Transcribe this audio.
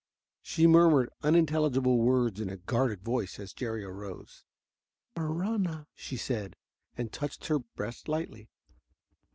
She murmured unintelligible words in a guarded voice as Jerry arose. "Marahna," she said, and touched her breast lightly.